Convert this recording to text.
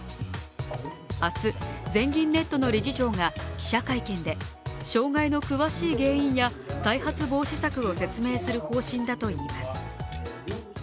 明日、全銀ネットの理事長が記者会見で障害の詳しい原因や再発防止策を説明する方針だといいます。